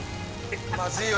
まずいよ